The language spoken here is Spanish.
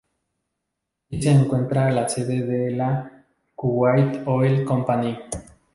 Aquí se encuentra la sede de la Kuwait Oil Company.